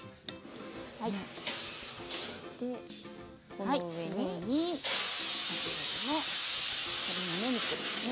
この上に先ほどの鶏むね肉ですね。